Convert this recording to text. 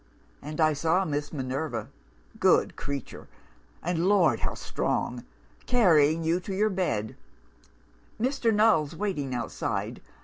and I saw Miss Minerva good creature, and, Lord, how strong! carrying you to your bed. Mr. Null's waiting outside.